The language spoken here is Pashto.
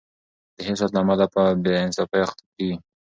د حسد له امله خلک په بې انصافۍ اخته کیږي.